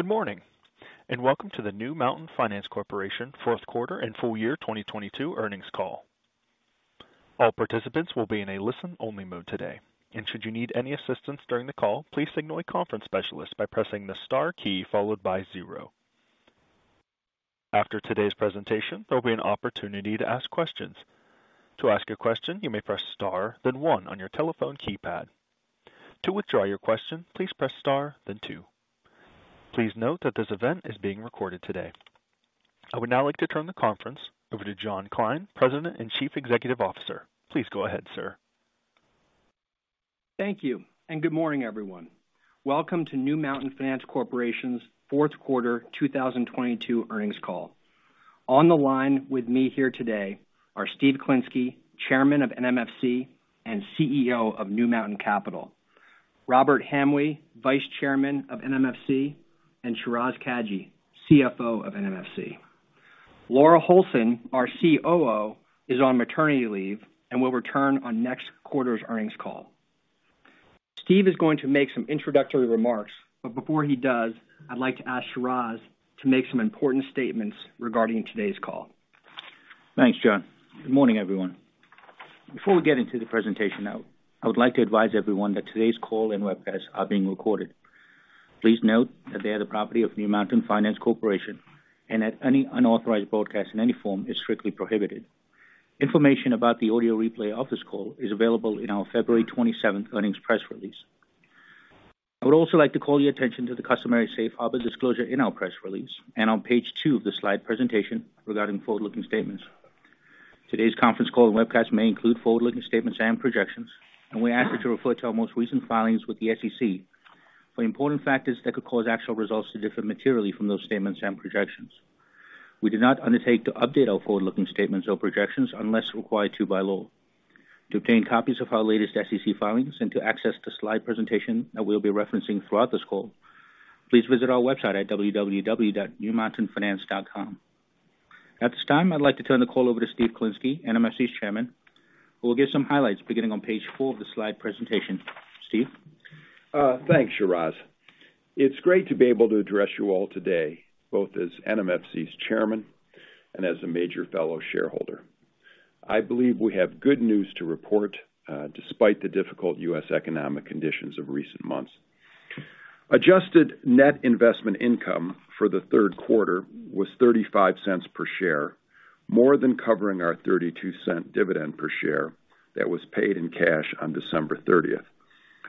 Good morning, and welcome to the New Mountain Finance Corporation fourth quarter and full year 2022 earnings call. All participants will be in a listen-only mode today. Should you need any assistance during the call, please signal a conference specialist by pressing the star key followed by zero. After today's presentation, there will be an opportunity to ask questions. To ask a question, you may press Star, then one on your telephone keypad. To withdraw your question, please press Star, then two. Please note that this event is being recorded today. I would now like to turn the conference over to John Kline, President and Chief Executive Officer. Please go ahead, sir. Thank you. Good morning, everyone. Welcome to New Mountain Finance Corporation's fourth quarter 2022 earnings call. On the line with me here today are Steven Klinsky, Chairman of NMFC and CEO of New Mountain Capital. Robert Hamwee, Vice Chairman of NMFC, and Shiraz Kajee, CFO of NMFC. Laura Holson, our COO, is on maternity leave and will return on next quarter's earnings call. Steven is going to make some introductory remarks. Before he does, I'd like to ask Shiraz to make some important statements regarding today's call. Thanks, John. Good morning, everyone. Before we get into the presentation, though, I would like to advise everyone that today's call and webcast are being recorded. Please note that they are the property of New Mountain Finance Corporation and that any unauthorized broadcast in any form is strictly prohibited. Information about the audio replay of this call is available in our February 27th earnings press release. I would also like to call your attention to the customary safe harbor disclosure in our press release and on page two of the slide presentation regarding forward-looking statements. Today's conference call and webcast may include forward-looking statements and projections, and we ask you to refer to our most recent filings with the SEC for important factors that could cause actual results to differ materially from those statements and projections. We do not undertake to update our forward-looking statements or projections unless required to by law. To obtain copies of our latest SEC filings and to access the slide presentation that we'll be referencing throughout this call, please visit our website at www.newmountainfinance.com. At this time, I'd like to turn the call over to Steve Klinsky, NMFC's Chairman, who will give some highlights beginning on page four of the slide presentation. Steve? Thanks, Shiraz. It's great to be able to address you all today, both as NMFC's chairman and as a major fellow shareholder. I believe we have good news to report despite the difficult U.S. economic conditions of recent months. Adjusted net investment income for the third quarter was $0.35 per share, more than covering our $0.32 dividend per share that was paid in cash on December 30th.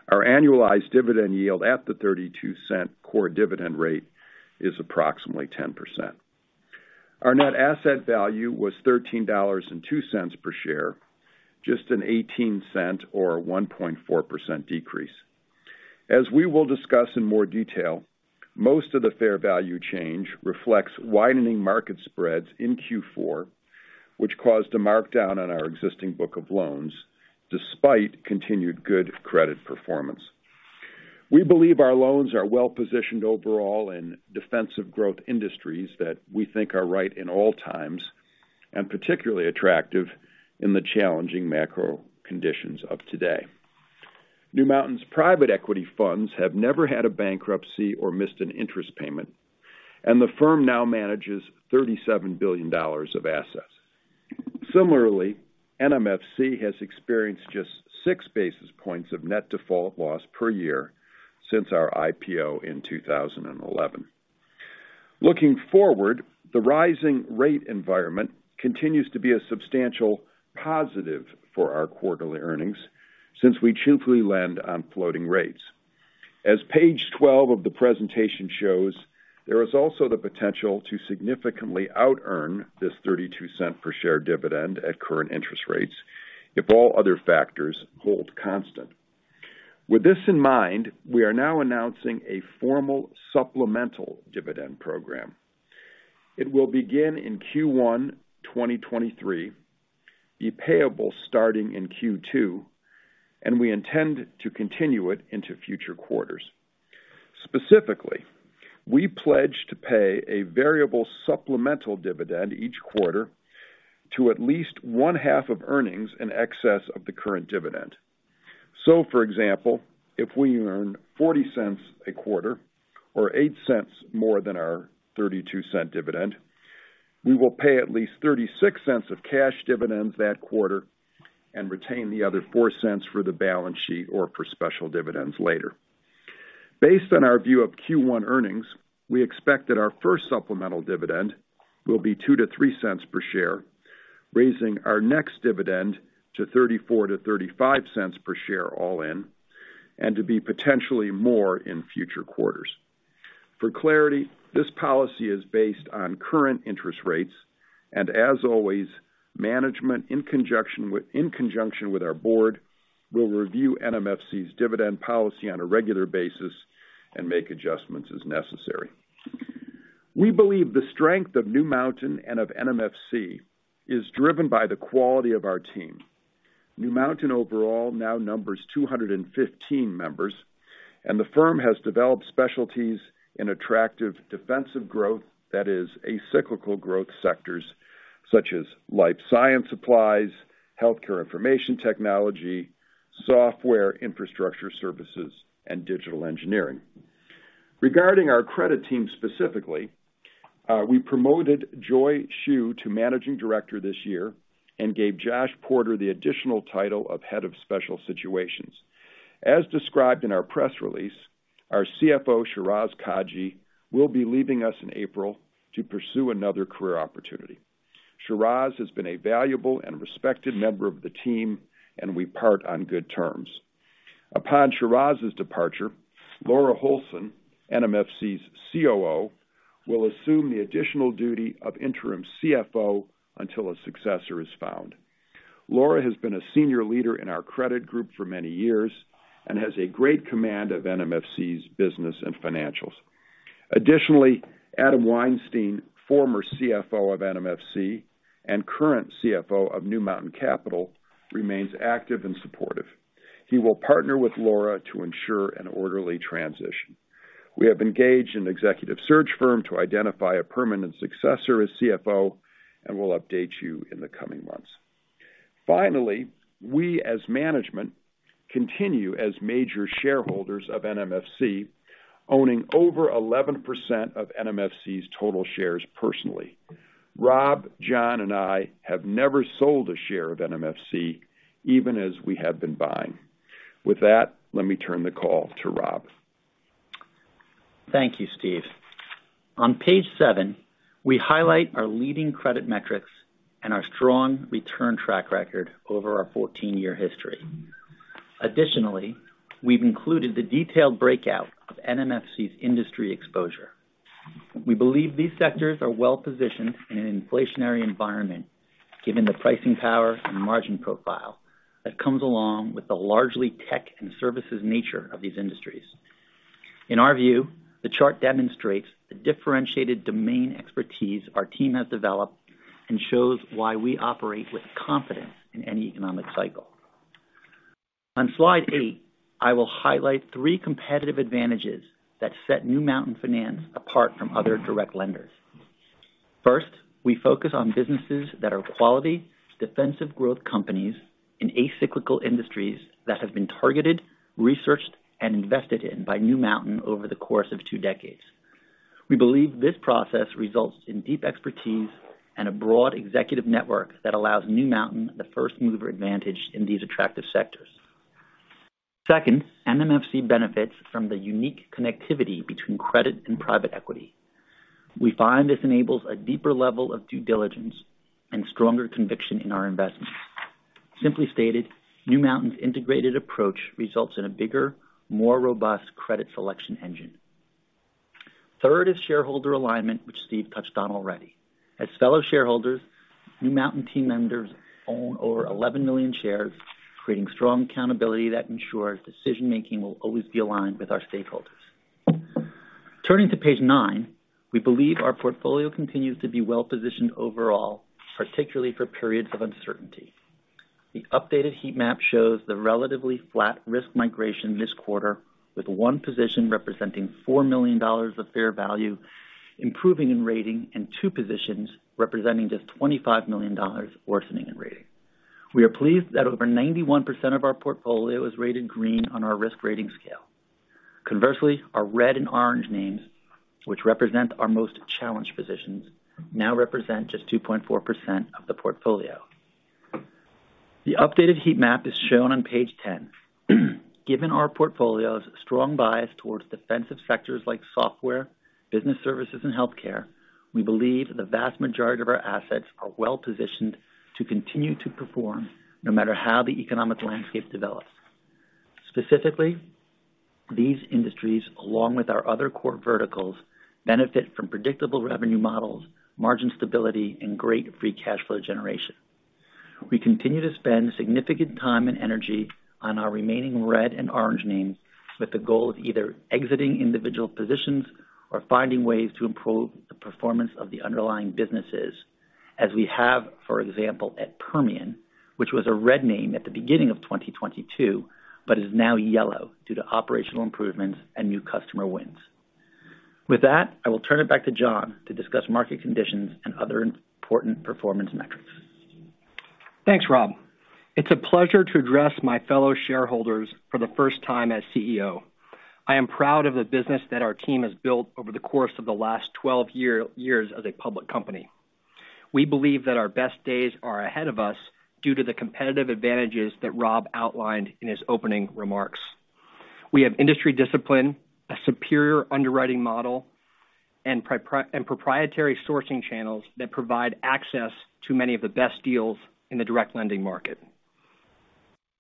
Our annualized dividend yield at the $0.32 core dividend rate is approximately 10%. Our net asset value was $13.02 per share, just an $0.18 or 1.4% decrease. As we will discuss in more detail, most of the fair value change reflects widening market spreads in Q4, which caused a markdown on our existing book of loans despite continued good credit performance. We believe our loans are well-positioned overall in defensive growth industries that we think are right in all times and particularly attractive in the challenging macro conditions of today. New Mountain's private equity funds have never had a bankruptcy or missed an interest payment, and the firm now manages $37 billion of assets. Similarly, NMFC has experienced just six basis points of net default loss per year since our IPO in 2011. Looking forward, the rising rate environment continues to be a substantial positive for our quarterly earnings since we chiefly lend on floating rates. As page 12 of the presentation shows, there is also the potential to significantly out earn this $0.32 per share dividend at current interest rates if all other factors hold constant. With this in mind, we are now announcing a formal supplemental dividend program. It will begin in Q1 2023, be payable starting in Q2, we intend to continue it into future quarters. Specifically, we pledge to pay a variable supplemental dividend each quarter to at least 1/2 of earnings in excess of the current dividend. For example, if we earn $0.40 a quarter or $0.08 more than our $0.32 dividend, we will pay at least $0.36 of cash dividends that quarter and retain the other $0.04 for the balance sheet or for special dividends later. Based on our view of Q1 earnings, we expect that our first supplemental dividend will be $0.02-$0.03 per share, raising our next dividend to $0.34-$0.35 per share all in, to be potentially more in future quarters. For clarity, this policy is based on current interest rates, as always, management, in conjunction with our board, will review NMFC's dividend policy on a regular basis and make adjustments as necessary. We believe the strength of New Mountain and of NMFC is driven by the quality of our team. New Mountain overall now numbers 215 members, the firm has developed specialties in attractive defensive growth that is, a cyclical growth sectors such as life science supplies, healthcare information technology-Software infrastructure services and digital engineering. Regarding our credit team specifically, we promoted Joy Xu to Managing Director this year and gave Josh Porter the additional title of Head of Special Situations. As described in our press release, our CFO, Shiraz Kajee, will be leaving us in April to pursue another career opportunity. Shiraz has been a valuable and respected member of the team. We part on good terms. Upon Shiraz's departure, Laura Holson, NMFC's COO, will assume the additional duty of interim CFO until a successor is found. Laura has been a senior leader in our credit group for many years and has a great command of NMFC's business and financials. Additionally, Adam Weinstein, former CFO of NMFC and current CFO of New Mountain Capital, remains active and supportive. He will partner with Laura to ensure an orderly transition. We have engaged an executive search firm to identify a permanent successor as CFO. We'll update you in the coming months. Finally, we as management continue as major shareholders of NMFC, owning over 11% of NMFC's total shares personally. Rob, John, and I have never sold a share of NMFC, even as we have been buying. With that, let me turn the call to Rob. Thank you, Steve. On page seven, we highlight our leading credit metrics and our strong return track record over our 14-year history. We've included the detailed breakout of NMFC's industry exposure. We believe these sectors are well-positioned in an inflationary environment, given the pricing power and margin profile that comes along with the largely tech and services nature of these industries. In our view, the chart demonstrates the differentiated domain expertise our team has developed and shows why we operate with confidence in any economic cycle. On slide eight, I will highlight three competitive advantages that set New Mountain Finance apart from other direct lenders. We focus on businesses that are quality, defensive growth companies in acyclical industries that have been targeted, researched, and invested in by New Mountain over the course of two decades. We believe this process results in deep expertise and a broad executive network that allows New Mountain the first-mover advantage in these attractive sectors. Second, NMFC benefits from the unique connectivity between credit and private equity. We find this enables a deeper level of due diligence and stronger conviction in our investments. Simply stated, New Mountain's integrated approach results in a bigger, more robust credit selection engine. Third is shareholder alignment, which Steve touched on already. As fellow shareholders, New Mountain team members own over 11 million shares, creating strong accountability that ensures decision-making will always be aligned with our stakeholders. Turning to page nine, we believe our portfolio continues to be well-positioned overall, particularly for periods of uncertainty. The updated heat map shows the relatively flat risk migration this quarter, with one position representing $4 million of fair value, improving in rating, and two positions representing just $25 million worsening in rating. We are pleased that over 91% of our portfolio is rated green on our risk rating scale. Our red and orange names, which represent our most challenged positions, now represent just 2.4% of the portfolio. The updated heat map is shown on page 10. Our portfolio's strong bias towards defensive sectors like software, business services, and healthcare, we believe the vast majority of our assets are well-positioned to continue to perform no matter how the economic landscape develops. These industries, along with our other core verticals, benefit from predictable revenue models, margin stability, and great free cash flow generation. We continue to spend significant time and energy on our remaining red and orange names with the goal of either exiting individual positions or finding ways to improve the performance of the underlying businesses, as we have, for example, at Permian, which was a red name at the beginning of 2022, but is now yellow due to operational improvements and new customer wins. With that, I will turn it back to John to discuss market conditions and other important performance metrics. Thanks, Rob. It's a pleasure to address my fellow shareholders for the first time as CEO. I am proud of the business that our team has built over the course of the last 12 years as a public company. We believe that our best days are ahead of us due to the competitive advantages that Rob outlined in his opening remarks. We have industry discipline, a superior underwriting model, and proprietary sourcing channels that provide access to many of the best deals in the direct lending market.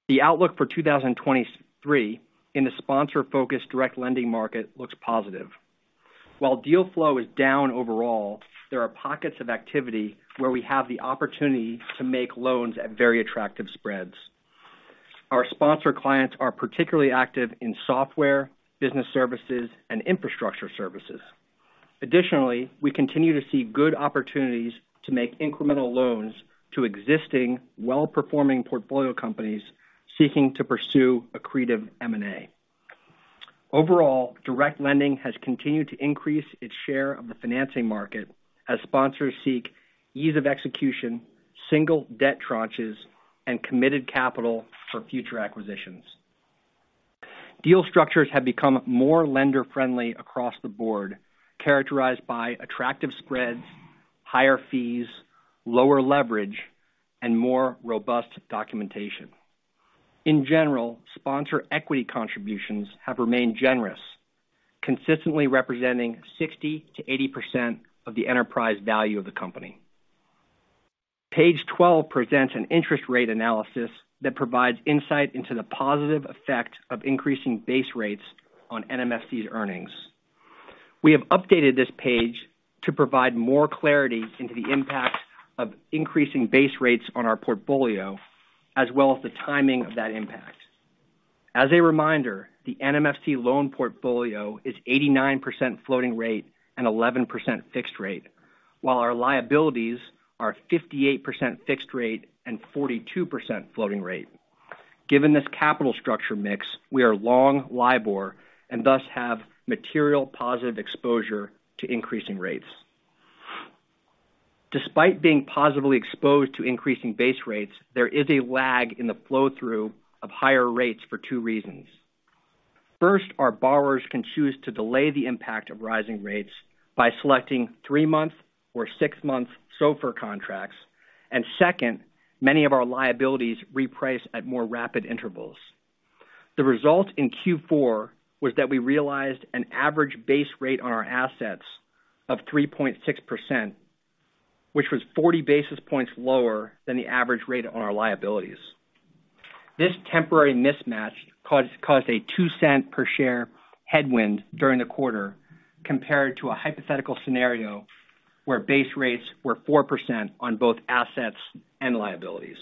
The outlook for 2023 in the sponsor-focused direct lending market looks positive. While deal flow is down overall, there are pockets of activity where we have the opportunity to make loans at very attractive spreads. Our sponsor clients are particularly active in software, business services, and infrastructure services. Additionally, we continue to see good opportunities to make incremental loans to existing well-performing portfolio companies seeking to pursue accretive M&A. Overall, direct lending has continued to increase its share of the financing market as sponsors seek ease of execution, single debt tranches, and committed capital for future acquisitions. Deal structures have become more lender-friendly across the board, characterized by attractive spreads, higher fees, lower leverage, and more robust documentation. In general, sponsor equity contributions have remained generous, consistently representing 60%-80% of the enterprise value of the company. Page 12 presents an interest rate analysis that provides insight into the positive effect of increasing base rates on NMFC's earnings. We have updated this page to provide more clarity into the impact of increasing base rates on our portfolio, as well as the timing of that impact. As a reminder, the NMFC loan portfolio is 89% floating rate and 11% fixed rate, while our liabilities are 58% fixed rate and 42% floating rate. Given this capital structure mix, we are long LIBOR and thus have material positive exposure to increasing rates. Despite being positively exposed to increasing base rates, there is a lag in the flow-through of higher rates for two reasons. First, our borrowers can choose to delay the impact of rising rates by selecting three-month or six-month SOFR contracts. Second, many of our liabilities reprice at more rapid intervals. The result in Q4 was that we realized an average base rate on our assets of 3.6%, which was 40 basis points lower than the average rate on our liabilities. This temporary mismatch caused a $0.02 per share headwind during the quarter, compared to a hypothetical scenario where base rates were 4% on both assets and liabilities.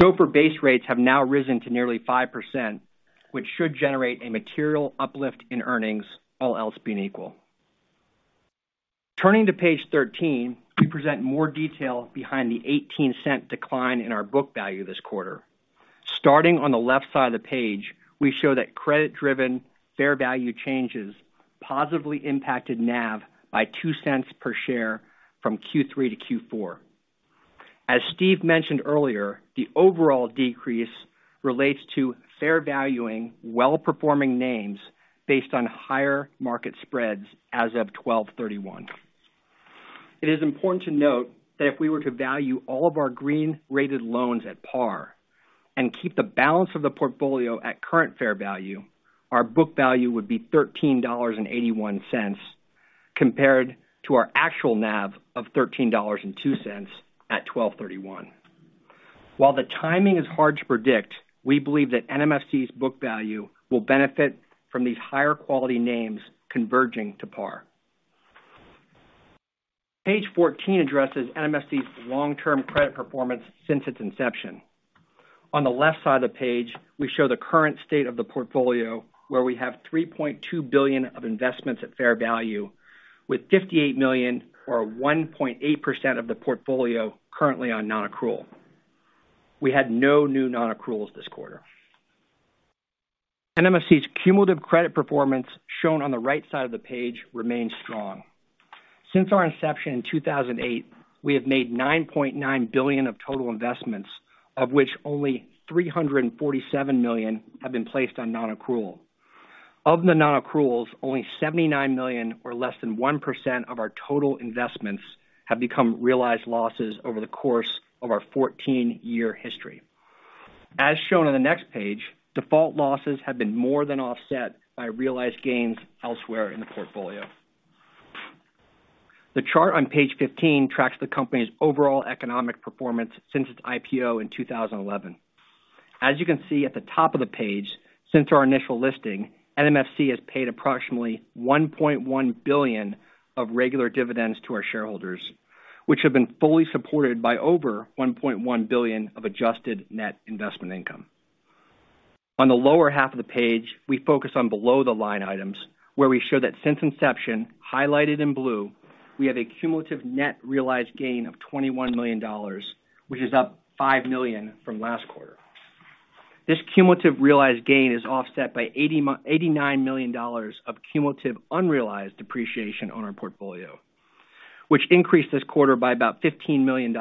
SOFR base rates have now risen to nearly 5%, which should generate a material uplift in earnings, all else being equal. Turning to page 13, we present more detail behind the $0.18 decline in our book value this quarter. Starting on the left side of the page, we show that credit-driven fair value changes positively impacted NAV by $0.02 per share from Q3 to Q4. As Steve mentioned earlier, the overall decrease relates to fair valuing well-performing names based on higher market spreads as of 12/31. It is important to note that if we were to value all of our green-rated loans at par and keep the balance of the portfolio at current fair value, our book value would be $13.81, compared to our actual NAV of $13.02 at 12/31. While the timing is hard to predict, we believe that NMFC's book value will benefit from these higher quality names converging to par. Page 14 addresses NMFC's long-term credit performance since its inception. On the left side of the page, we show the current state of the portfolio, where we have $3.2 billion of investments at fair value, with $58 million or 1.8% of the portfolio currently on nonaccrual. We had no new nonaccruals this quarter. NMFC's cumulative credit performance, shown on the right side of the page, remains strong. Since our inception in 2008, we have made $9.9 billion of total investments, of which only $347 million have been placed on non-accrual. Of the non-accruals, only $79 million, or less than 1% of our total investments, have become realized losses over the course of our 14-year history. As shown on the next page, default losses have been more than offset by realized gains elsewhere in the portfolio. The chart on page 15 tracks the company's overall economic performance since its IPO in 2011. As you can see at the top of the page, since our initial listing, NMFC has paid approximately $1.1 billion of regular dividends to our shareholders, which have been fully supported by over $1.1 billion of Adjusted Net Investment Income. On the lower half of the page, we focus on below-the-line items, where we show that since inception, highlighted in blue, we have a cumulative net realized gain of $21 million, which is up $5 million from last quarter. This cumulative realized gain is offset by $89 million of cumulative unrealized depreciation on our portfolio, which increased this quarter by about $15 million,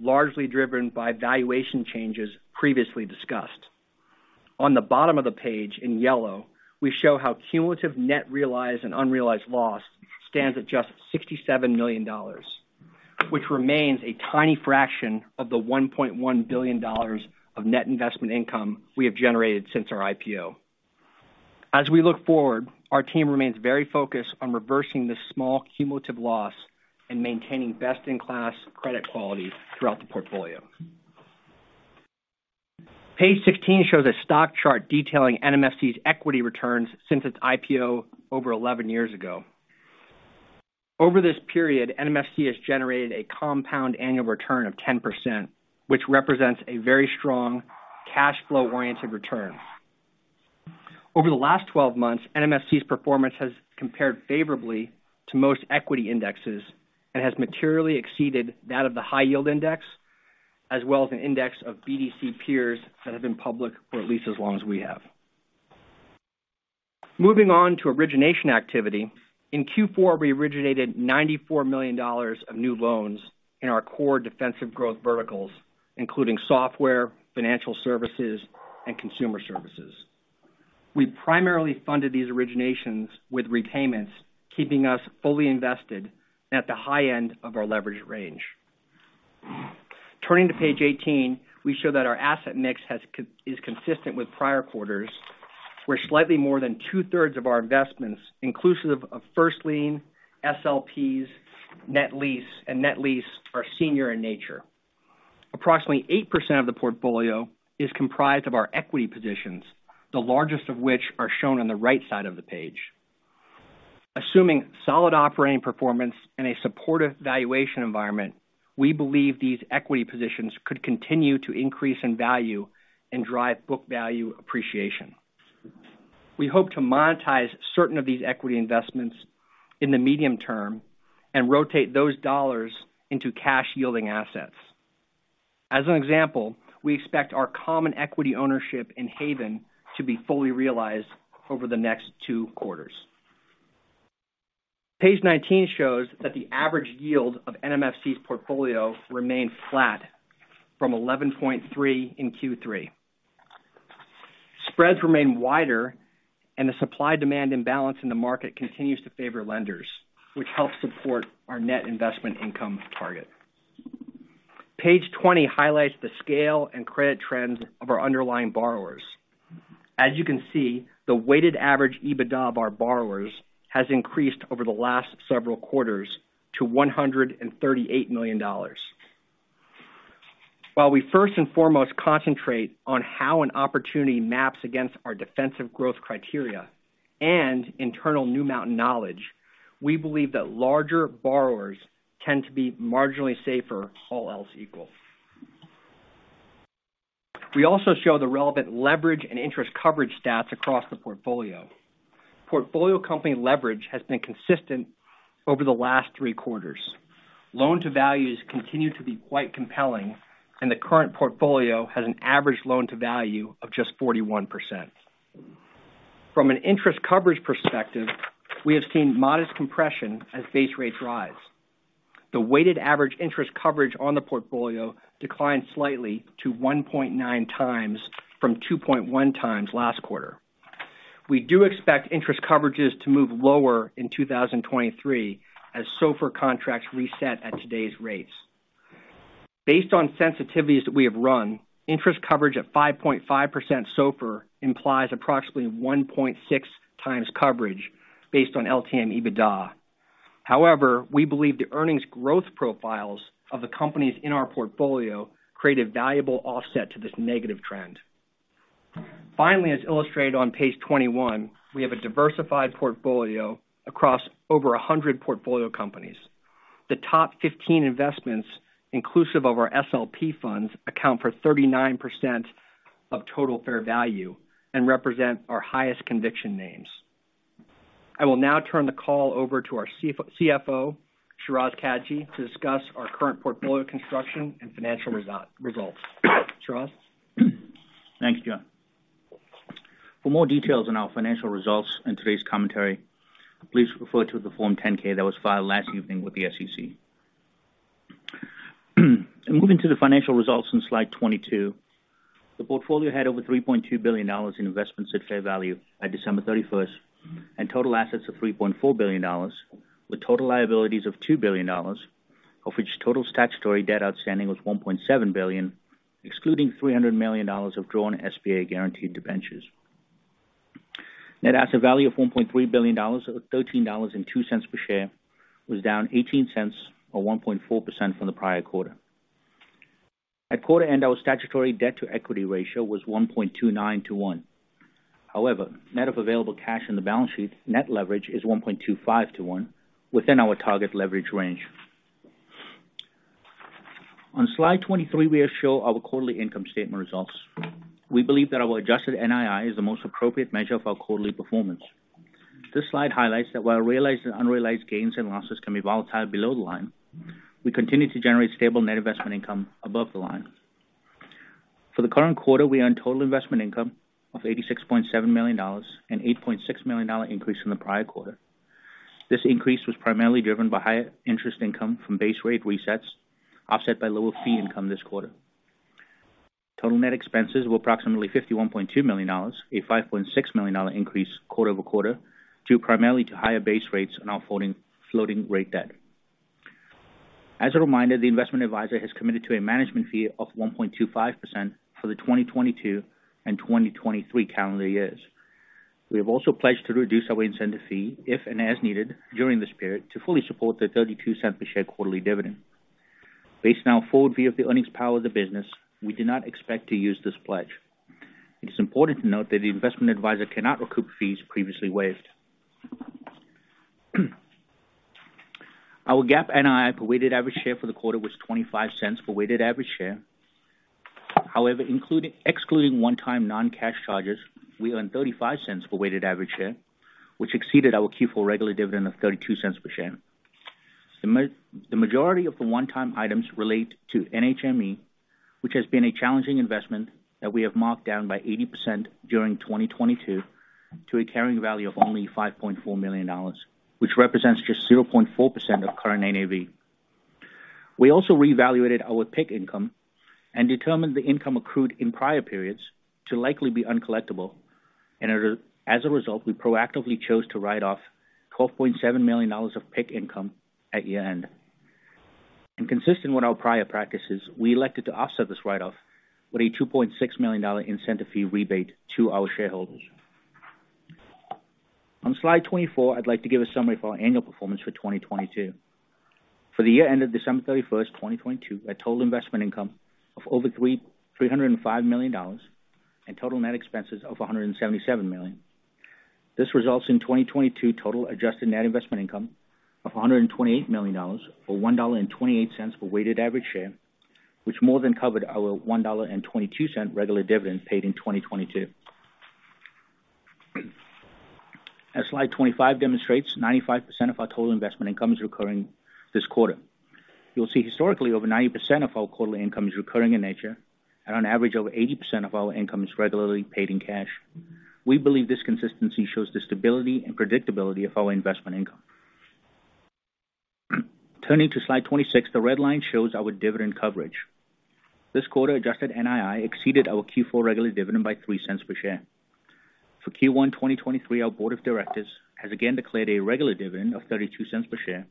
largely driven by valuation changes previously discussed. On the bottom of the page, in yellow, we show how cumulative net realized and unrealized loss stands at just $67 million, which remains a tiny fraction of the $1.1 billion of Net Investment Income we have generated since our IPO. We look forward, our team remains very focused on reversing this small cumulative loss and maintaining best-in-class credit quality throughout the portfolio. Page 16 shows a stock chart detailing NMFC's equity returns since its IPO over 11 years ago. Over this period, NMFC has generated a compound annual return of 10%, which represents a very strong cash flow-oriented return. Over the last 12 months, NMFC's performance has compared favorably to most equity indexes and has materially exceeded that of the high yield index-As well as an index of BDC peers that have been public for at least as long as we have. Moving on to origination activity. In Q4, we originated $94 million of new loans in our core defensive growth verticals, including software, financial services, and consumer services. We primarily funded these originations with retainments, keeping us fully invested at the high end of our leverage range. Turning to page 18, we show that our asset mix is consistent with prior quarters, where slightly more than 2/3 of our investments, inclusive of first lien, SLPs, net lease and net lease, are senior in nature. Approximately 8% of the portfolio is comprised of our equity positions, the largest of which are shown on the right side of the page. Assuming solid operating performance and a supportive valuation environment, we believe these equity positions could continue to increase in value and drive book value appreciation. We hope to monetize certain of these equity investments in the medium term and rotate those dollars into cash-yielding assets. As an example, we expect our common equity ownership in Haven to be fully realized over the next two quarters. Page 19 shows that the average yield of NMFC's portfolio remained flat from 11.3 in Q3. Spreads remain wider, the supply-demand imbalance in the market continues to favor lenders, which helps support our Net Investment Income target. Page 20 highlights the scale and credit trends of our underlying borrowers. As you can see, the weighted average EBITDA of our borrowers has increased over the last several quarters to $138 million. While we first and foremost concentrate on how an opportunity maps against our defensive growth criteria and internal New Mountain knowledge, we believe that larger borrowers tend to be marginally safer, all else equal. We also show the relevant leverage and interest coverage stats across the portfolio. Portfolio company leverage has been consistent over the last three quarters. Loan to values continue to be quite compelling, and the current portfolio has an average loan to value of just 41%. From an interest coverage perspective, we have seen modest compression as base rates rise. The weighted average interest coverage on the portfolio declined slightly to 1.9x from 2.1x last quarter. We do expect interest coverages to move lower in 2023 as SOFR contracts reset at today's rates. Based on sensitivities that we have run, interest coverage at 5.5% SOFR implies approximately 1.6x coverage based on LTM EBITDA. However, we believe the earnings growth profiles of the companies in our portfolio create a valuable offset to this negative trend. Finally, as illustrated on page 21, we have a diversified portfolio across over 100 portfolio companies. The top 15 investments inclusive of our SLP funds account for 39% of total fair value and represent our highest conviction names. I will now turn the call over to our CFO, Shiraz Kajee, to discuss our current portfolio construction and financial results. Shiraz? Thanks, John. For more details on our financial results and today's commentary, please refer to the Form 10-K that was filed last evening with the SEC. Moving to the financial results on slide 22. The portfolio had over $3.2 billion in investments at fair value at December 31st, and total assets of $3.4 billion, with total liabilities of $2 billion, of which total statutory debt outstanding was $1.7 billion, excluding $300 million of drawn SBA guaranteed debentures. Net asset value of $1.3 billion, or $13.02 per share was down $0.18, or 1.4% from the prior quarter. At quarter end, our statutory debt to equity ratio was 1.29 to one. However, net of available cash on the balance sheet, net leverage is 1.25 to one within our target leverage range. On slide 23, we show our quarterly income statement results. We believe that our Adjusted NII is the most appropriate measure of our quarterly performance. This slide highlights that while realized and unrealized gains and losses can be volatile below the line, we continue to generate stable net investment income above the line. For the current quarter, we earned total investment income of $86.7 million, an $8.6 million increase from the prior quarter. This increase was primarily driven by higher interest income from base rate resets, offset by lower fee income this quarter. Total net expenses were approximately $51.2 million, a $5.6 million increase quarter-over-quarter, due primarily to higher base rates on our floating rate debt. As a reminder, the investment advisor has committed to a management fee of 1.25% for the 2022 and 2023 calendar years. We have also pledged to reduce our incentive fee if and as needed during this period to fully support the $0.32 per share quarterly dividend. Based on our forward view of the earnings power of the business, we do not expect to use this pledge. It is important to note that the investment advisor cannot recoup fees previously waived. Our GAAP NII per weighted average share for the quarter was $0.25 per weighted average share. However, excluding one-time non-cash charges, we earned $0.35 for weighted average share, which exceeded our Q4 regular dividend of $0.32 per share. The majority of the one-time items relate to NHME, which has been a challenging investment that we have marked down by 80% during 2022 to a carrying value of only $5.4 million, which represents just 0.4% of current NAV. We also reevaluated our PIK income and determined the income accrued in prior periods to likely be uncollectible. As a result, we proactively chose to write off $12.7 million of PIK income at year-end. Consistent with our prior practices, we elected to offset this write off with a $2.6 million incentive fee rebate to our shareholders. On slide 24, I'd like to give a summary for our annual performance for 2022. For the year ended December 31st, 2022, a total investment income of over $305 million and total net expenses of $177 million. This results in 2022 total Adjusted Net Investment Income of $128 million, or $1.28 per weighted average share, which more than covered our $1.22 regular dividend paid in 2022. As slide 25 demonstrates, 95% of our total investment income is recurring this quarter. You'll see historically over 90% of our quarterly income is recurring in nature. On average, over 80% of our income is regularly paid in cash. We believe this consistency shows the stability and predictability of our investment income. Turning to slide 26, the red line shows our dividend coverage. This quarter, Adjusted NII exceeded our Q4 regular dividend by $0.03 per share. For Q1 2023, our board of directors has again declared a regular dividend of $0.32 per share,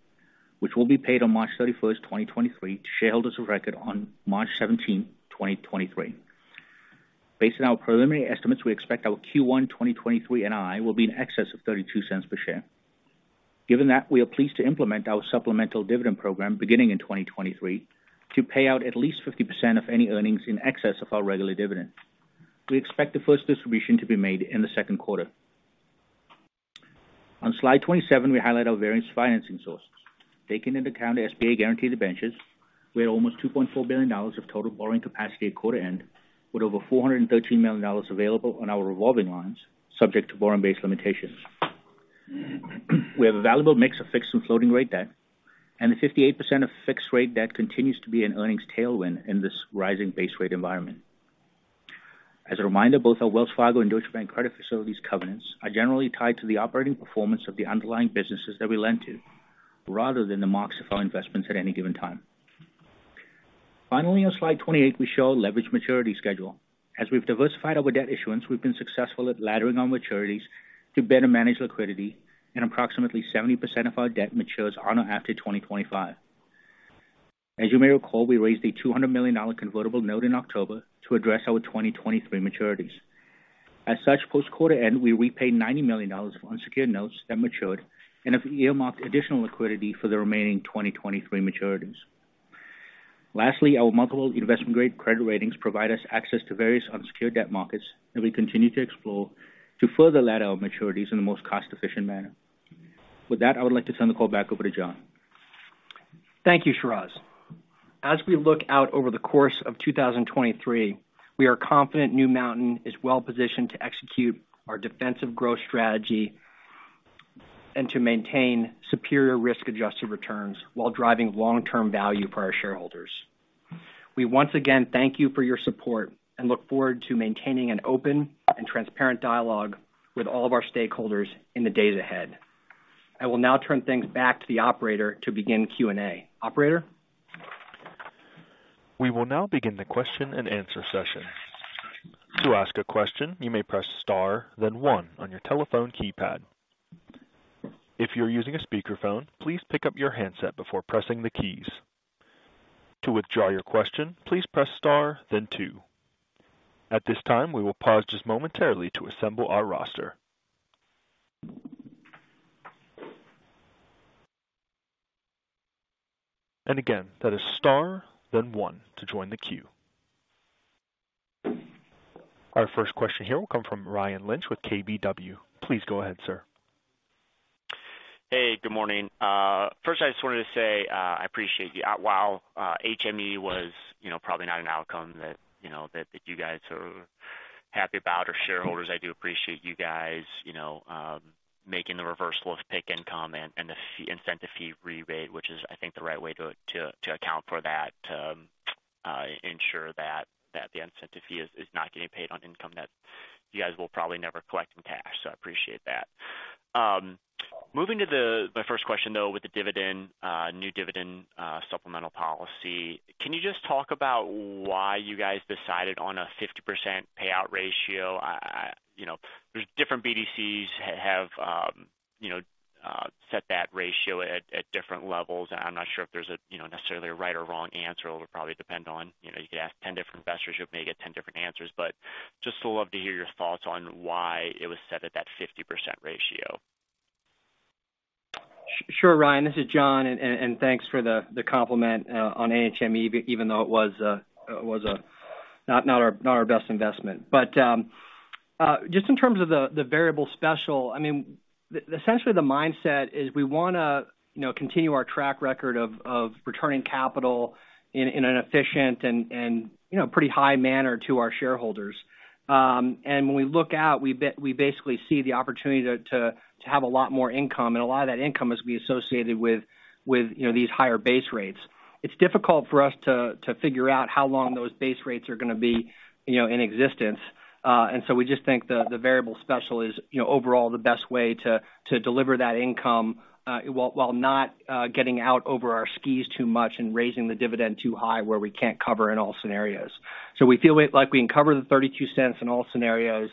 which will be paid on March 31st, 2023 to shareholders of record on March 17, 2023. Based on our preliminary estimates, we expect our Q1 2023 NII will be in excess of $0.32 per share. Given that, we are pleased to implement our supplemental dividend program beginning in 2023 to pay out at least 50% of any earnings in excess of our regular dividend. We expect the first distribution to be made in the second quarter. On slide 27, we highlight our various financing sources. Taking into account SBA guaranteed benches, we had almost $2.4 billion of total borrowing capacity at quarter end, with over $413 million available on our revolving lines subject to borrowing based limitations. We have a valuable mix of fixed and floating rate debt, and the 58% of fixed rate debt continues to be an earnings tailwind in this rising base rate environment. As a reminder, both our Wells Fargo and Deutsche Bank credit facilities covenants are generally tied to the operating performance of the underlying businesses that we lend to, rather than the marks of our investments at any given time. Finally, on slide 28, we show leverage maturity schedule. As we've diversified our debt issuance, we've been successful at laddering our maturities to better manage liquidity, and approximately 70% of our debt matures on or after 2025. As you may recall, we raised a $200 million convertible note in October to address our 2023 maturities. As such, post quarter end, we repaid $90 million of unsecured notes that matured and have earmarked additional liquidity for the remaining 2023 maturities. Lastly, our multiple investment-grade credit ratings provide us access to various unsecured debt markets that we continue to explore to further ladder our maturities in the most cost-efficient manner. With that, I would like to turn the call back over to John. Thank you, Shiraz. As we look out over the course of 2023, we are confident New Mountain is well positioned to execute our defensive growth strategy and to maintain superior risk adjusted returns while driving long-term value for our shareholders. We once again thank you for your support and look forward to maintaining an open and transparent dialogue with all of our stakeholders in the days ahead. I will now turn things back to the operator to begin Q&A. Operator? We will now begin the question and answer session. To ask a question, you may press Star, then one on your telephone keypad. If you're using a speakerphone, please pick up your handset before pressing the keys. To withdraw your question, please press Star then two. At this time, we will pause just momentarily to assemble our roster. Again, that is Star, then one to join the queue. Our first question here will come from Ryan Lynch with KBW. Please go ahead, sir. Hey, good morning. First I just wanted to say, I appreciate you. While HME was, you know, probably not an outcome that, you know, you guys are happy about or shareholders, I do appreciate you guys, you know, making the reversal of PIK income and the incentive fee rebate, which is, I think, the right way to account for that to ensure that the incentive fee is not getting paid on income that you guys will probably never collect in cash. I appreciate that. Moving to my first question though with the dividend, new dividend, supplemental policy, can you just talk about why you guys decided on a 50% payout ratio? You know, different BDCs have, you know, set that ratio at different levels. I'm not sure if there's a, you know, necessarily a right or wrong answer. It would probably depend on, you know, you could ask 10 different investors, you'll may get 10 different answers. Just love to hear your thoughts on why it was set at that 50% ratio. Sure, Ryan, this is John. Thanks for the compliment on HME, even though it was not our best investment. Just in terms of the variable special, I mean, essentially the mindset is we wanna, you know, continue our track record of returning capital in an efficient and, you know, pretty high manner to our shareholders. When we look out, we basically see the opportunity to have a lot more income, and a lot of that income is gonna be associated with, you know, these higher base rates. It's difficult for us to figure out how long those base rates are gonna be, you know, in existence. We just think the variable special is, you know, overall the best way to deliver that income, while not, getting out over our skis too much and raising the dividend too high where we can't cover in all scenarios. We feel like we can cover the $0.32 in all scenarios.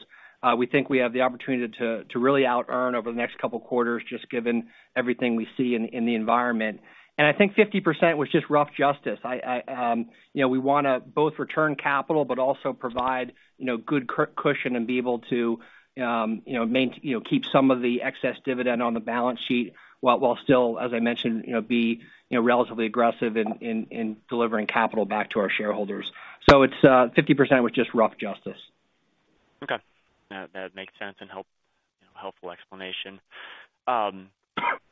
We think we have the opportunity to really outearn over the next couple quarters just given everything we see in the environment. I think 50% was just rough justice. I, you know, we wanna both return capital but also provide, you know, good cushion and be able to, you know, keep some of the excess dividend on the balance sheet while still, as I mentioned, you know, be, you know, relatively aggressive in delivering capital back to our shareholders. It's, 50% was just rough justice. Okay. That makes sense and you know, helpful explanation.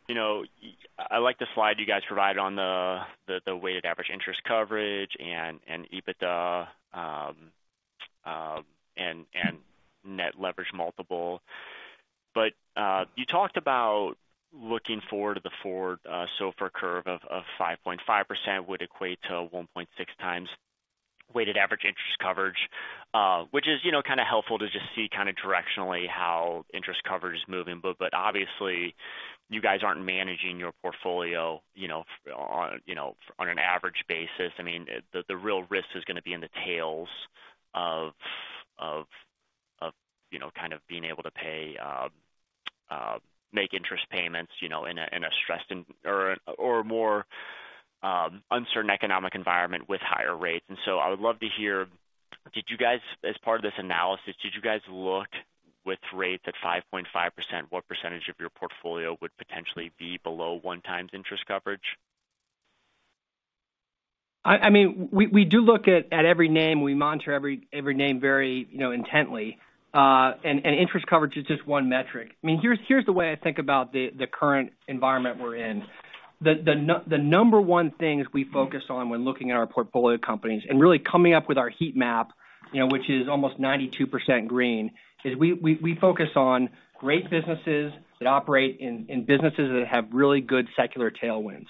You know, I like the slide you guys provided on the weighted average interest coverage and EBITDA and net leverage multiple. You talked about looking forward to the forward SOFR curve of 5.5% would equate to 1.6x weighted average interest coverage, which is, you know, kinda helpful to just see kinda directionally how interest coverage is moving. Obviously you guys aren't managing your portfolio, you know, on, you know, on an average basis. I mean, the real risk is gonna be in the tails of, you know, kind of being able to pay make interest payments, you know, in a, in a stressed or more uncertain economic environment with higher rates. I would love to hear, as part of this analysis, did you guys look with rates at 5.5%, what percentage of your portfolio would potentially be below one times interest coverage? I mean, we do look at every name. We monitor every name very, you know, intently. Interest coverage is just one metric. I mean, here's the way I think about the current environment we're in. The number one things we focus on when looking at our portfolio companies and really coming up with our heat map, you know, which is almost 92% green, is we focus on great businesses that operate in businesses that have really good secular tailwinds.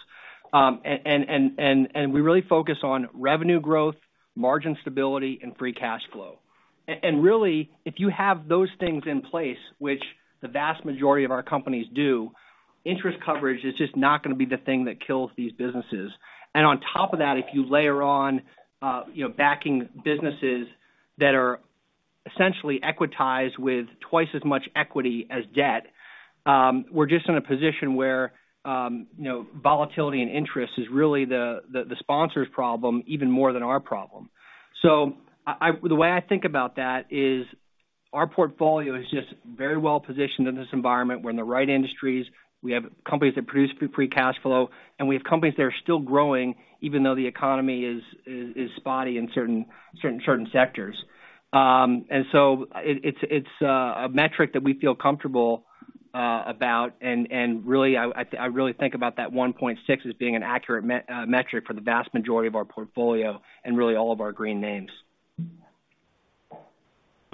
And we really focus on revenue growth, margin stability, and free cash flow. Really, if you have those things in place, which the vast majority of our companies do, interest coverage is just not gonna be the thing that kills these businesses. On top of that, if you layer on, you know, backing businesses that are essentially equitized with twice as much equity as debt, we're just in a position where, you know, volatility and interest is really the sponsor's problem even more than our problem. I the way I think about that is our portfolio is just very well positioned in this environment. We're in the right industries. We have companies that produce pre-free cash flow, and we have companies that are still growing, even though the economy is spotty in certain sectors. It's a metric that we feel comfortable about. Really, I really think about that 1.6 as being an accurate metric for the vast majority of our portfolio and really all of our green names.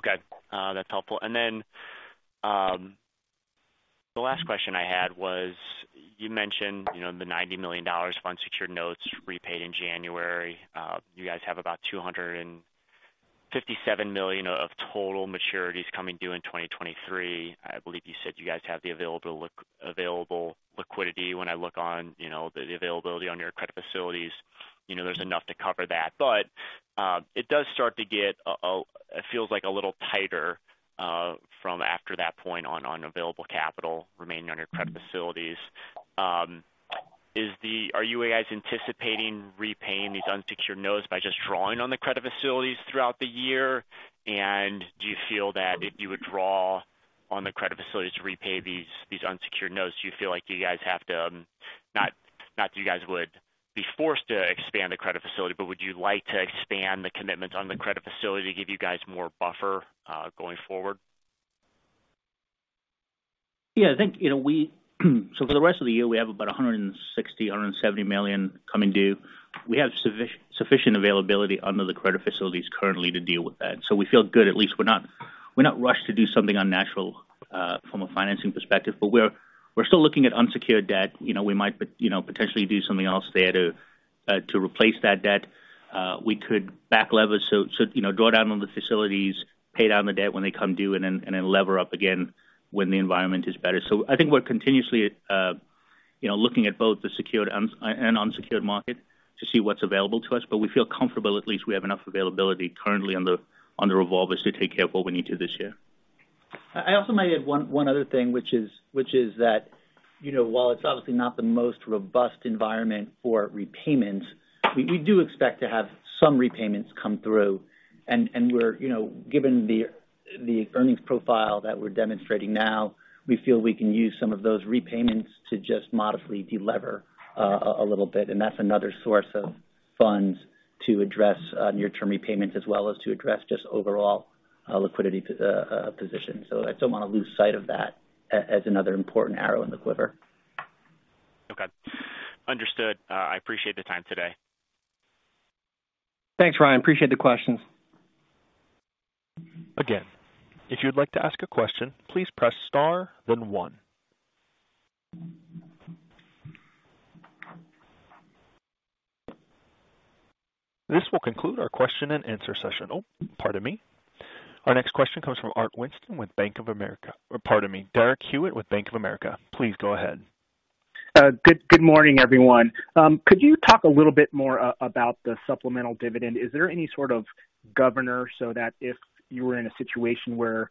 Okay. That's helpful. The last question I had was, you mentioned, you know, the $90 million unsecured notes repaid in January. You guys have about $257 million of total maturities coming due in 2023. I believe you said you guys have the available liquidity. When I look on, you know, the availability on your credit facilities, you know, there's enough to cover that. It does start to get a little tighter from after that point on available capital remaining under credit facilities. Are you guys anticipating repaying these unsecured notes by just drawing on the credit facilities throughout the year? Do you feel that if you would draw on the credit facilities to repay these unsecured notes, do you feel like you guys have to, not that you guys would be forced to expand the credit facility, but would you like to expand the commitments on the credit facility to give you guys more buffer going forward? I think, you know, for the rest of the year, we have about $160 million-$170 million coming due. We have sufficient availability under the credit facilities currently to deal with that. We feel good. At least we're not rushed to do something unnatural from a financing perspective. We're still looking at unsecured debt. You know, we might, you know, potentially do something else there to replace that debt. We could back lever, so, you know, draw down on the facilities, pay down the debt when they come due, and then lever up again when the environment is better. I think we're continuously, you know, looking at both the secured and unsecured market to see what's available to us. We feel comfortable at least we have enough availability currently on the, on the revolvers to take care of what we need to this year. I also might add one other thing, which is that, you know, while it's obviously not the most robust environment for repayments, we do expect to have some repayments come through. We're, you know, given the earnings profile that we're demonstrating now, we feel we can use some of those repayments to just modestly delever a little bit. That's another source of funds. To address, near-term repayments as well as to address just overall, liquidity position. I don't wanna lose sight of that as another important arrow in the quiver. Okay. Understood. I appreciate the time today. Thanks, Ryan. Appreciate the questions. Again, if you'd like to ask a question, please press star, then one. This will conclude our question and answer session. Oh, pardon me. Our next question comes from Derek Hewett with Bank of America. Pardon me, Derek Hewett with Bank of America. Please go ahead. Good morning, everyone. Could you talk a little bit more about the supplemental dividend? Is there any sort of governor so that if you were in a situation where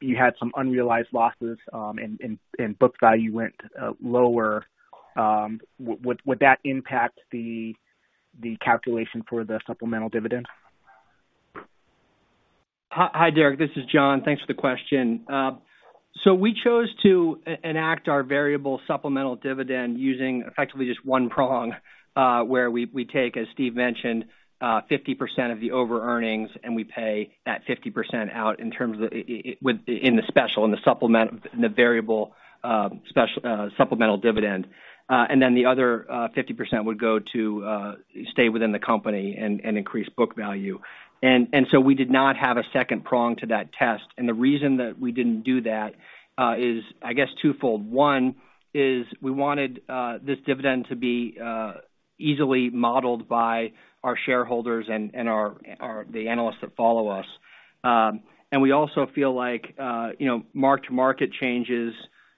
you had some unrealized losses, and book value went lower, would that impact the calculation for the supplemental dividend? Hi, Derek. This is John. Thanks for the question. We chose to enact our variable supplemental dividend using effectively just one prong, where we take, as Steve mentioned, 50% of the over earnings, and we pay that 50% out in terms of the in the special, in the supplement, in the variable supplemental dividend. The other 50% would go to stay within the company and increase book value. We did not have a second prong to that test. The reason that we didn't do that is, I guess twofold. One is we wanted this dividend to be easily modeled by our shareholders and our analysts that follow us. We also feel like, you know, mark-to-market changes,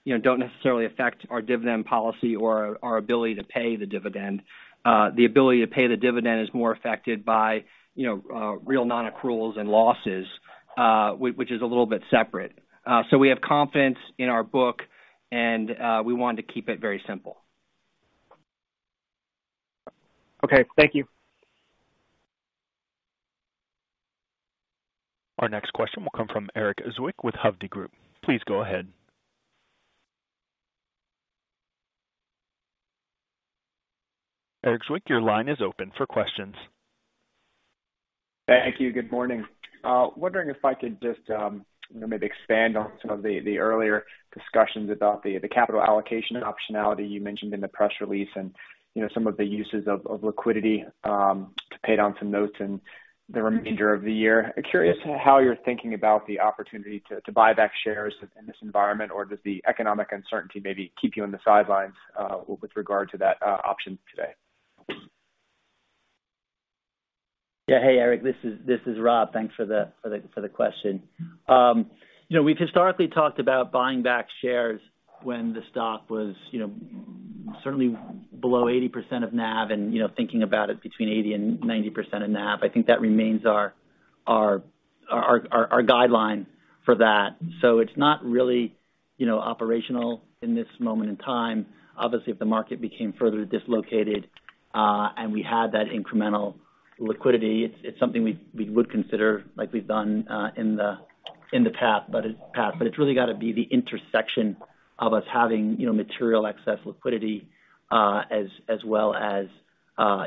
you know, don't necessarily affect our dividend policy or our ability to pay the dividend. The ability to pay the dividend is more affected by, you know, real non-accruals and losses, which is a little bit separate. We have confidence in our book, and we wanted to keep it very simple. Okay. Thank you. Our next question will come from Erik Zwick with Hovde Group. Please go ahead. Erik Zwick, your line is open for questions. Thank you. Good morning. Wondering if I could just, you know, maybe expand on some of the earlier discussions about the capital allocation optionality you mentioned in the press release and, you know, some of the uses of liquidity, to pay down some notes in the remainder of the year. Curious how you're thinking about the opportunity to buy back shares in this environment, or does the economic uncertainty maybe keep you on the sidelines, with regard to that option today? Hey, Eric, this is Rob. Thanks for the question. You know, we've historically talked about buying back shares when the stock was, you know, certainly below 80% of NAV and, you know, thinking about it between 80%-90% of NAV. I think that remains our guideline for that. It's not really, you know, operational in this moment in time. Obviously, if the market became further dislocated, and we had that incremental liquidity, it's something we would consider like we've done in the past. It's really got to be the intersection of us having, you know, material excess liquidity, as well as,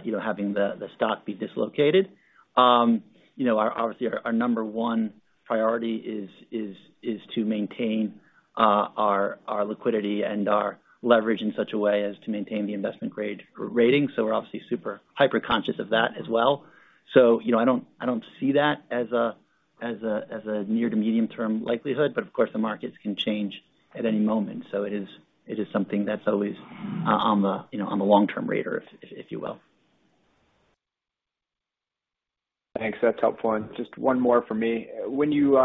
you know, having the stock be dislocated. You know, our, obviously, our number one priority is to maintain, our liquidity and our leverage in such a way as to maintain the investment grade rating. We're obviously super hyper-conscious of that as well. You know, I don't, I don't see that as a near to medium term likelihood, but of course, the markets can change at any moment. It is something that's always on the, you know, on the long-term radar, if you will. Thanks. That's helpful. Just one more for me. When you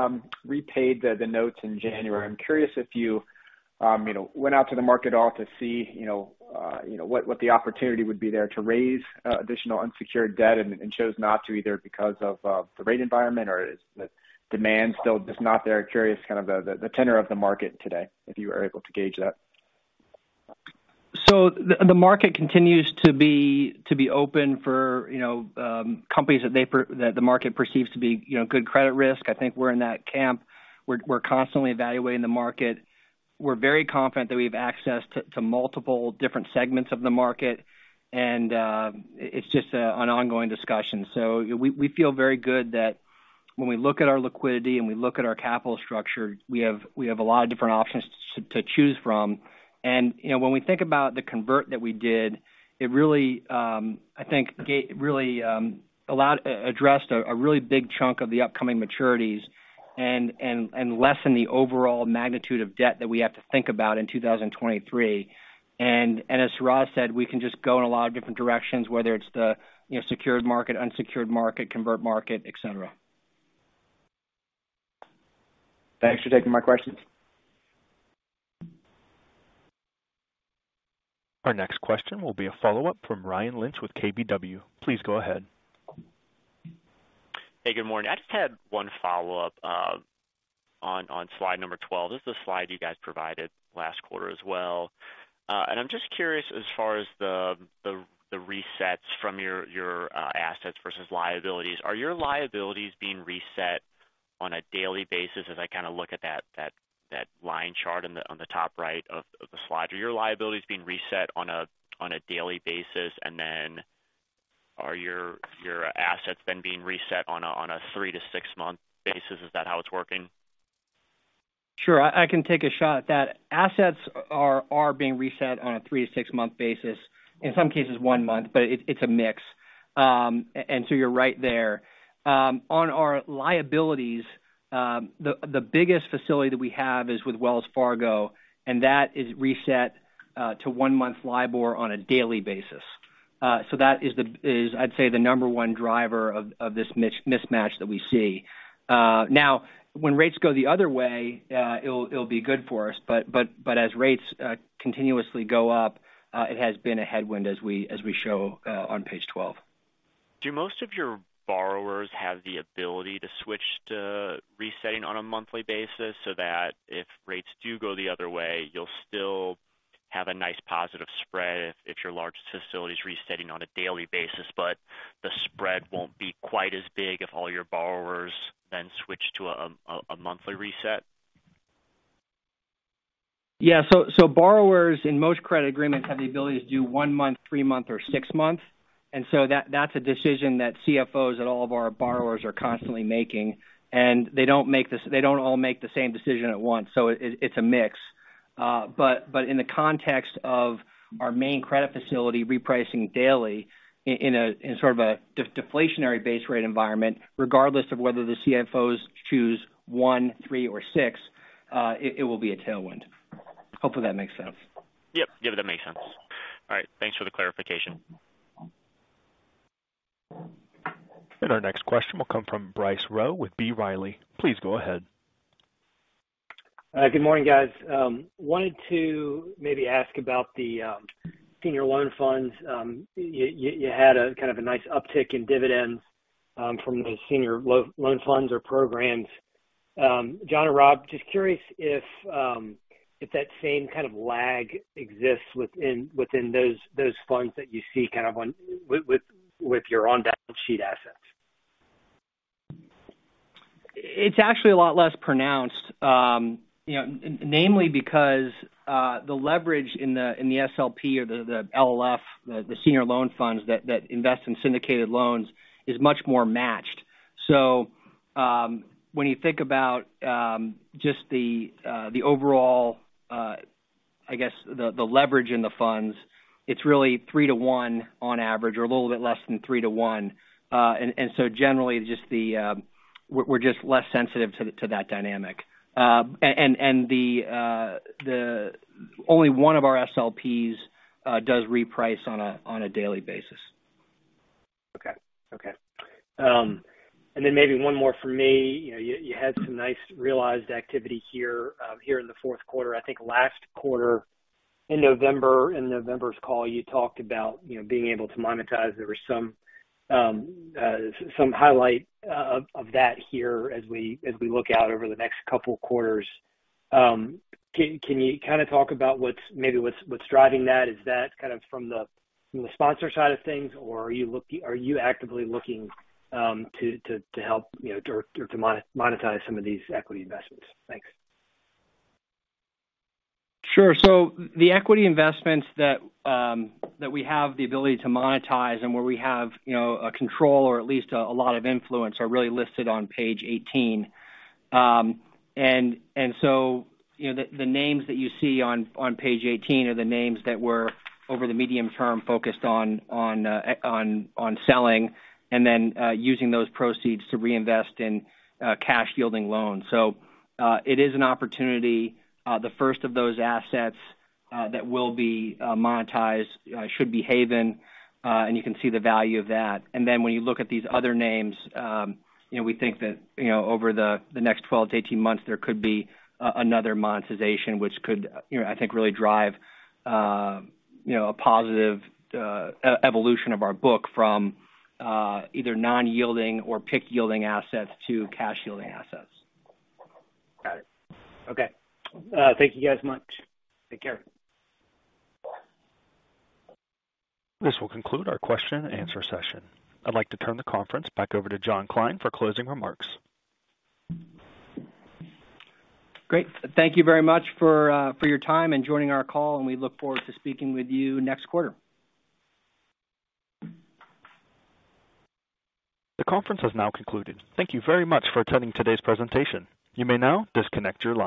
repaid the notes in January, I'm curious if you know, went out to the market at all to see, you know, what the opportunity would be there to raise additional unsecured debt and chose not to, either because of the rate environment or is the demand still just not there. Curious kind of the tenor of the market today, if you are able to gauge that. The market continues to be open for, you know, companies that the market perceives to be, you know, good credit risk. I think we're in that camp. We're constantly evaluating the market. We're very confident that we have access to multiple different segments of the market. It's just an ongoing discussion. We feel very good that when we look at our liquidity and we look at our capital structure, we have a lot of different options to choose from. You know, when we think about the convert that we did, it really, I think really addressed a really big chunk of the upcoming maturities and lessen the overall magnitude of debt that we have to think about in 2023. As Rob said, we can just go in a lot of different directions, whether it's the, you know, secured market, unsecured market, convert market, et cetera. Thanks for taking my questions. Our next question will be a follow-up from Ryan Lynch with KBW. Please go ahead. Hey, good morning. I just had one follow-up on slide number 12. This is the slide you guys provided last quarter as well. I'm just curious, as far as the resets from your assets versus liabilities, are your liabilities being reset on a daily basis, as I kind of look at that line chart on the top right of the slide. Are your liabilities being reset on a daily basis, and then are your assets then being reset on a three to six-month basis? Is that how it's working? Sure. I can take a shot at that. Assets are being reset on a three-six month basis. In some cases 1 month, but it's a mix. You're right there. On our liabilities, the biggest facility that we have is with Wells Fargo, and that is reset to one-month LIBOR on a daily basis. That is, I'd say, the number one driver of this mis-mismatch that we see. Now, when rates go the other way, it'll be good for us. As rates continuously go up, it has been a headwind as we show on page 12. Do most of your borrowers have the ability to switch to resetting on a monthly basis so that if rates do go the other way, you'll still have a nice positive spread if your largest facility is resetting on a daily basis, but the spread won't be quite as big if all your borrowers then switch to a monthly reset? So borrowers in most credit agreements have the ability to do one month, three month or six months. That's a decision that CFOs at all of our borrowers are constantly making. They don't all make the same decision at once. It's a mix. But in the context of our main credit facility repricing daily in a sort of a deflationary base rate environment, regardless of whether the CFOs choose one, three or six, it will be a tailwind. Hopefully that makes sense. Yep. Yeah, that makes sense. All right, thanks for the clarification. Our next question will come from Bryce Rowe with B. Riley. Please go ahead. Good morning, guys. Wanted to maybe ask about the senior loan funds. You had a kind of a nice uptick in dividends from the senior loan funds or programs. John or Rob, just curious if that same kind of lag exists within those funds that you see kind of on with your on-balance sheet assets? It's actually a lot less pronounced, you know, namely because the leverage in the SLP or the LLF, the senior loan funds that invest in syndicated loans is much more matched. When you think about just the overall, I guess the leverage in the funds, it's really 3 to 1 on average or a little bit less than three to one. Generally just the, we're less sensitive to that dynamic. The only one of our SLPs does reprice on a daily basis. Okay. Okay. Maybe one more for me. You know, you had some nice realized activity here in the fourth quarter. I think last quarter in November, in November's call, you talked about, you know, being able to monetize. There was some highlight of that here as we look out over the next couple quarters. Can you kind of talk about maybe what's driving that? Is that kind of from the sponsor side of things, or are you actively looking to help, you know, or to monetize some of these equity investments? Thanks. Sure. The equity investments that we have the ability to monetize and where we have, you know, a control or at least a lot of influence are really listed on page 18. You know, the names that you see on page 18 are the names that we're over the medium term focused on, on selling and then, using those proceeds to reinvest in cash yielding loans. It is an opportunity. The first of those assets that will be monetized should be Haven, and you can see the value of that. When you look at these other names, you know, we think that, you know, over the next 12 to 18 months, there could be another monetization which could, you know, I think really drive, you know, a positive evolution of our book from, either non-yielding or PIK yielding assets to cash yielding assets. Got it. Okay. Thank you guys much. Take care. This will conclude our question and answer session. I'd like to turn the conference back over to John Kline for closing remarks. Great. Thank you very much for your time and joining our call. We look forward to speaking with you next quarter. The conference has now concluded. Thank you very much for attending today's presentation. You may now disconnect your line.